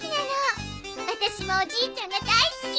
私もおじいちゃんが大好き。